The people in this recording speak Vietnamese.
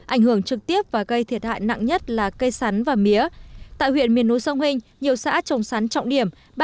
ảnh hưởng trực tiếp và gây thiệt hại nặng nhất là cây sắn và mía tại huyện miền núi sông hình nhiều xã trồng sắn trọng điểm